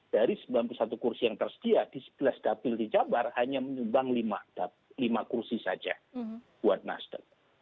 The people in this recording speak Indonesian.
dua ribu sembilan belas dari sembilan puluh satu kursi yang tersedia di sebelas dapil di jawa barat hanya menyumbang lima kursi saja buat nasdem